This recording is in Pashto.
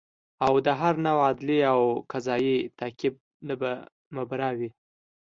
او د هر نوع عدلي او قضایي تعقیب نه به مبرا وي